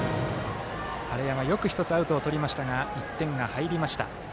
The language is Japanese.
晴山、よく１つアウトをとりましたが１点が入りました。